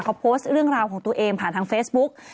เขาโพสต์เรื่องราวของตัวเองผ่านทางเฟซบุ๊ก